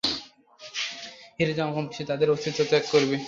হেরে যাওয়া মহাবিশ্ব তাদের অস্তিত্ব ত্যাগ করবে।